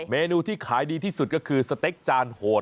เมนูที่ขายดีที่สุดก็คือสเต็กจานโหด